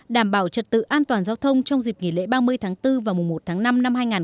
đảm bảo trật tự an toàn giao thông trong dịp nghỉ lễ ba mươi tháng bốn và một tháng năm năm hai nghìn một mươi tám